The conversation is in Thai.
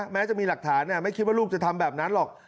แม้จะมีหลักฐานไม่คิดว่าลูกจะทำแบบนั้นหรอก